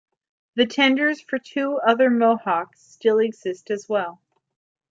The tenders for two other Mohawks still exist as well.